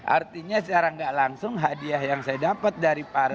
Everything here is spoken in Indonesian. artinya secara gak langsung hadiah yang saya dapat dari para